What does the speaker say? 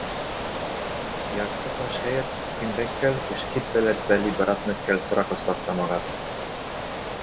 Játszótárs helyett könyvekkel és képzeletbeli barátnőkkel szórakoztatta magát.